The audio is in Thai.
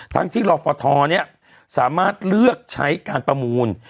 ทั้งที่หลอกฝทเนี่ยสามารถเลือกใช้การประมูล